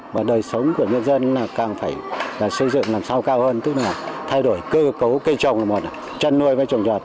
và đời sống của nhân dân càng phải xây dựng làm sao cao hơn tức là thay đổi cơ cấu cây trồng là một chân nuôi với trồng trọt